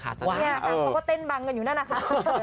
เขาก็เต้นบังกันอยู่นั่นนะคะ